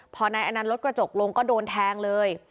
พอนายอนันต์ลดกระจกลงก็โดนแทงเลย